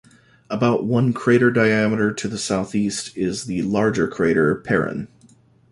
About one crater diameter to the southeast is the larger crater Perrine.